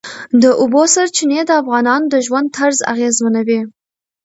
د اوبو سرچینې د افغانانو د ژوند طرز اغېزمنوي.